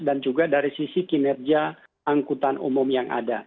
dan juga dari sisi kinerja angkutan umum yang ada